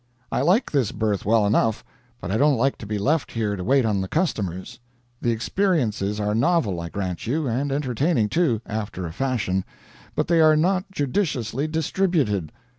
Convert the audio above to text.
I like this berth well enough, but I don't like to be left here to wait on the customers. The experiences are novel, I grant you, and entertaining, too, after a fashion, but they are not judiciously distributed.